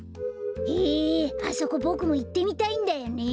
へえあそこボクもいってみたいんだよねえ。